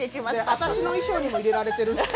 私の衣装にも入れられてるんです。